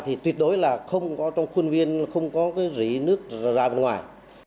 thì tuyệt đối là không có trong khuôn viên không có cái rỉ nước ra bên ngoài